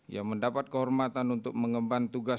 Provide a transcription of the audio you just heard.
yang mendapat kehormatan untuk mengemban tugas